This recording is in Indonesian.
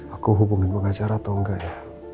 aku hubungin pengacara atau enggak ya